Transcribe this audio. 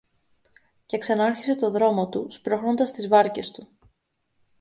Και ξανάρχισε το δρόμο του, σπρώχνοντας τις βάρκες του